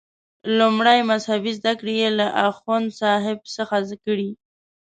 لومړنۍ مذهبي زده کړې یې له اخوندصاحب څخه کړي.